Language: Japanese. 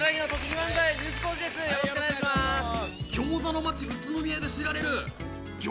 ギョーザの街宇都宮で知られる。